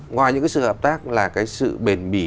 ngoài những cái sự hợp tác là cái sự bền bỉ